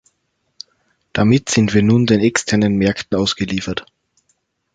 Damit sind wir nun den externen Märkten ausgeliefert.